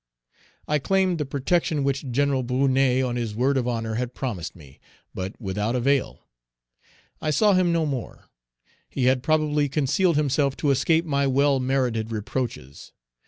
I claimed the protection which Gen. Brunet, on his word of honor, had promised me, but without avail. I saw him no more. He had probably concealed himself to escape my well merited reproaches.